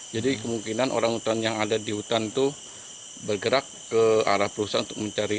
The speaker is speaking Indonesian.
jadi kemungkinan orang utan yang ada di hutan itu bergerak ke arah perusahaan untuk mencari